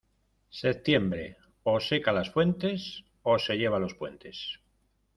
Septiembre o seca las fuentes o se lleva los puentes.